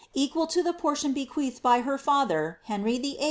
equal to ibe portion be queathed by her father, Henry VIII.